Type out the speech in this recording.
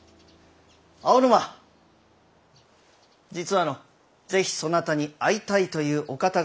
青沼実はのぜひそなたに会いたいというお方がおられての。